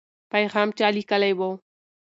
پیغام چا لیکلی و؟